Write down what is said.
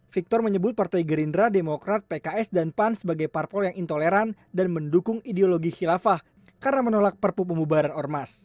victor menyebut partai gerindra demokrat pks dan pan sebagai parpol yang intoleran dan mendukung ideologi khilafah karena menolak perpu pemubaran ormas